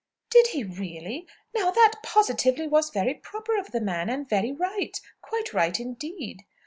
"Did he really? Now, that positively was very proper of the man, and very right. Quite right, indeed."